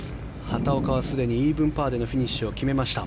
畑岡はすでにイーブンパーでのフィニッシュを決めました。